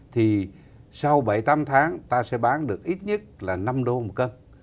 thì sau bảy tám tháng ta sẽ bán được ít nhất là năm đô một cân